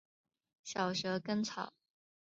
小蛇根草